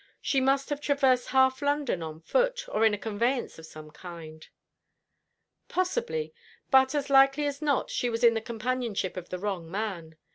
She must have traversed half London on foot, or in a conveyance of some kind." "Possibly. But, as likely as not, she was in the companionship of the wrong man.